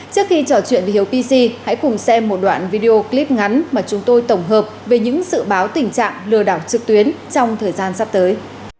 trước khi trò chuyện với hiếu pc hãy cùng xem một đoạn video clip ngắn mà chúng tôi tổng hợp về những dự báo tình trạng lừa đảo trực tuyến trong thời gian sắp tới